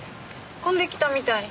混んできたみたい。